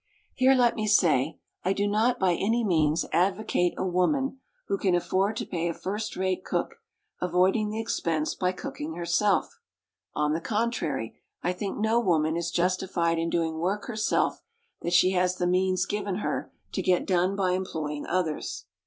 Here let me say, I do not by any means advocate a woman, who can afford to pay a first rate cook, avoiding the expense by cooking herself; on the contrary, I think no woman is justified in doing work herself that she has the means given her to get done by employing others.